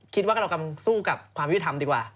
คิดว่าเรากำลังสู้กับความยุติธรรมดีกว่า